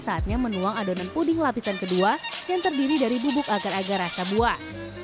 saatnya menuang adonan puding lapisan kedua yang terdiri dari bubuk agar agar rasa buah